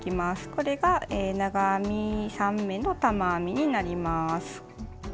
これが長編み３目の玉編みになります。